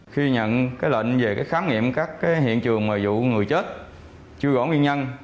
khi nhận lệnh về khám nghiệm các hiện trường vụ người chết chưa rõ nguyên nhân